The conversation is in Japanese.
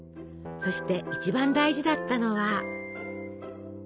そして一番大事だったのは。